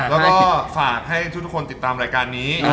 แล้วก็ฝากให้ทุกคนติดตามรายการนี้